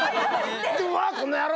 で「うわこの野郎！」